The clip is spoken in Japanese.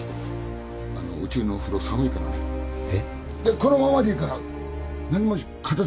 このままでいいから何も片付けないでいいからね。